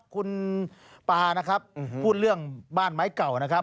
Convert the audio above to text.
คุณปานะครับพูดเรื่องบ้านไม้เก่านะครับ